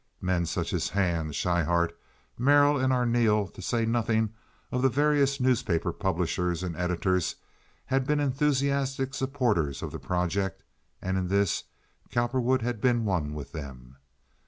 Men such as Hand, Schryhart, Merrill, and Arneel, to say nothing of the various newspaper publishers and editors, had been enthusiastic supporters of the project, and in this Cowperwood had been one with them.